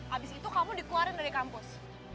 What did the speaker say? abis itu kamu dikeluarin dari kampus